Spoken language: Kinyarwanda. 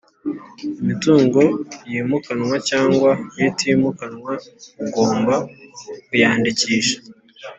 Imitungo yimukanwa cyangwa itimukanwa ugomba kuyandikisha